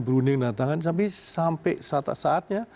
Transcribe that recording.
berunding menandatangani sampai saatnya